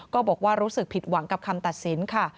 ก็บอกว่ารู้สึกผิดหวังกับคำตัดสินค่ะ